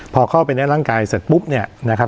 พอเข้าไปในร่างกายเสร็จปุ๊บ